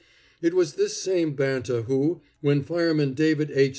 It was this same Banta who, when Fireman David H.